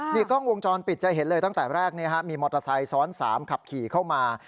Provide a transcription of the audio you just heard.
นี่กล้องวงจรปิดจะเห็นเลยตั้งแต่แรกมีมอเตอร์ไซค์ซ้อน๓ขับขี่เข้ามา